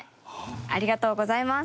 ありがとうございます。